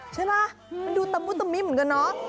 ใช่ปะมันดูตะมูดตะมิ้วเหมือนกันนะ